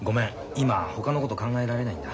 今ほかのこと考えられないんだ。